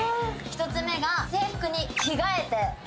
１つ目が制服に着替えて。